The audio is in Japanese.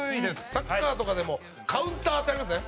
サッカーとかでもカウンターってありますね。